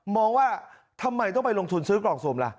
ว่าทำไมต้องไปลงทุนซื้อกล่องสุ่มล่ะ